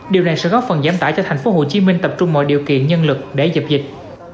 điều này sẽ góp phần giảm tải cho tp hcm tập trung mọi điều kiện nhân lực để dập dịch